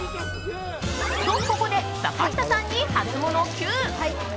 と、ここで坂下さんにハツモノＱ。